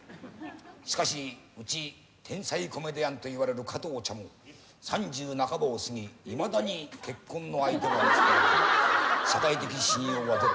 しかしうち天才コメディアンといわれる加藤茶も３０半ばを過ぎいまだに結婚の相手が見つからず社会的信用はゼロ。